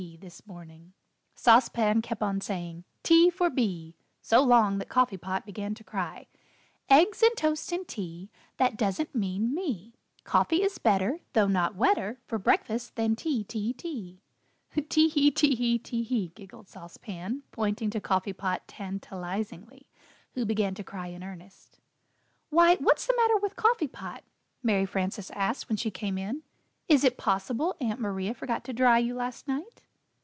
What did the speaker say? this morning." Sauce Pan kept on saying, "Tea for B." so long that Coffee Pot began to cry: "Eggs and toast and tea, That doesn't mean me. Coffee is better Though not wetter For breakfast Than tea, tea, tea." [Illustration: Coffee Pot began to cry] "Tee hee Tee hee Tee hee!" giggled Sauce Pan, pointing to Coffee Pot tan ta liz ing ly, who began to cry in earnest. [Illustration: "Tee hee Tee hee!" giggled Sauce Pan.] "Why, what's the matter with Coffee Pot?" Mary Frances asked when she came in. "Is it possible Aunt Maria forgot to dry you last night?"